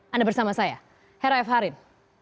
anda bersama saya hera f harin